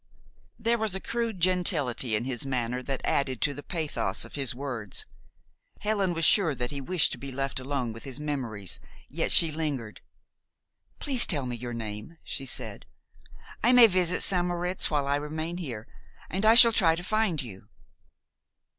There was a crude gentility in his manner that added to the pathos of his words. Helen was sure that he wished to be left alone with his memories. Yet she lingered. "Please tell me your name," she said. "I may visit St. Moritz while I remain here, and I shall try to find you."